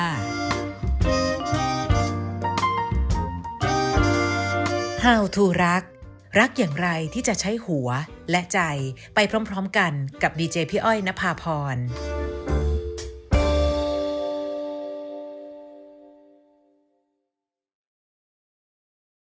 โปรดติดตามตอนต่อไป